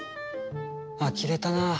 あきれたなあ。